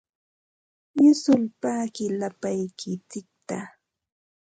Yusulpaaqi lapalaykitsikta.